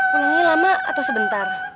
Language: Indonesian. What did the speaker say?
pulangnya lama atau sebentar